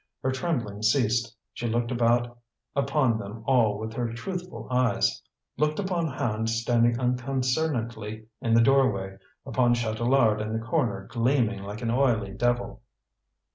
Her trembling ceased; she looked about upon them all with her truthful eyes; looked upon Hand standing unconcernedly in the doorway, upon Chatelard in the corner gleaming like an oily devil.